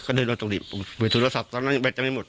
ก็เดินไปตรงนี้ปุ่นโทรศัพท์ตอนนั้นยังแบตจะไม่หมด